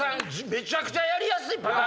めちゃくちゃやりやすいパターン。